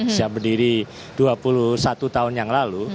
sejak berdiri dua puluh satu tahun yang lalu